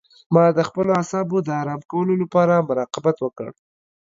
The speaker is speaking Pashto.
ما د خپلو اعصابو د آرام کولو لپاره مراقبت وکړ.